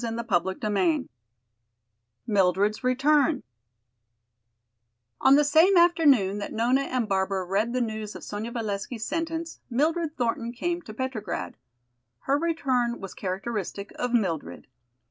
CHAPTER XIV Mildred's Return On the same afternoon that Nona and Barbara read the news of Sonya Valesky's sentence, Mildred Thornton came to Petrograd. Her return was characteristic of Mildred.